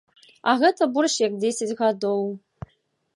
А гэта больш як дзесяць гадоў.